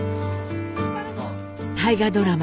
大河ドラマ